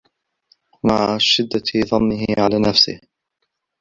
مَعَ شِدَّةِ ضَنِّهِ عَلَى نَفْسِهِ